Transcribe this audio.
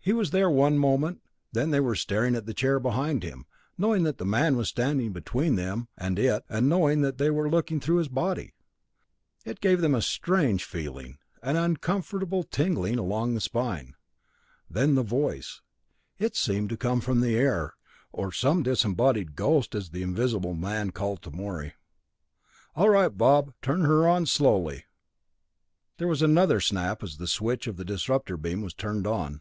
He was there one moment, then they were staring at the chair behind him, knowing that the man was standing between them and it and knowing that they were looking through his body. It gave them a strange feeling, an uncomfortable tingling along the spine. Then the voice it seemed to come from the air, or some disembodied ghost as the invisible man called to Morey. "All right, Bob, turn her on slowly." There was another snap as the switch of the disrupter beam was turned on.